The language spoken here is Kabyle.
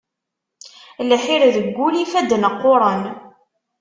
Lḥir deg ul, ifadden qquṛen.